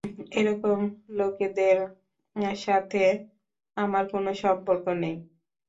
এরকম লোকেদের সাথে আমার কোনো সম্পর্ক নেই।